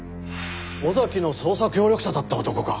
尾崎の捜査協力者だった男か。